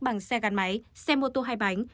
bằng xe gắn máy xe mô tô hai bánh